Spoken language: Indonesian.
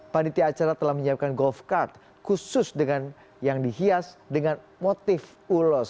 panitia acara telah menyiapkan golf card khusus yang dihias dengan motif ulos